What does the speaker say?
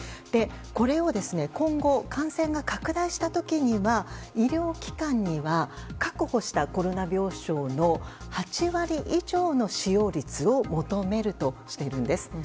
これを、今後感染が拡大した時には医療機関には確保したコロナ病床の８割以上の使用率を求めるとしているんです。